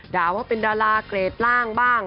ด่าว่าเป็นดาราเกรดร่างบ้าง